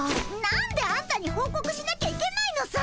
なんであんたにほうこくしなきゃいけないのさ。